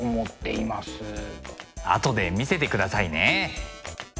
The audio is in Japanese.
後で見せてくださいね。